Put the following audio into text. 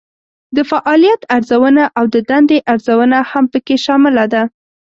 د فعالیت ارزونه او د دندې ارزونه هم پکې شامله ده.